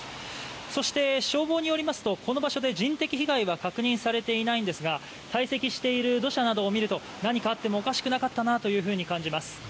そして、消防によりますとこの場所で人的被害は確認されていないんですがたい積している土砂などを見ると何かあってもおかしくなかったかなと感じます。